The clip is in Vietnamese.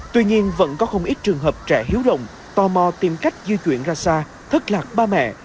tuy nhiên vẫn có không ít trường hợp trẻ hiếu rộng tò mò tìm cách di chuyển ra xa thất lạc ba mẹ